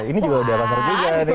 ini juga udah pasar juga nih